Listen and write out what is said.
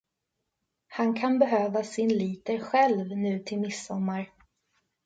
Han kan behöva sin liter själv nu till midsommar.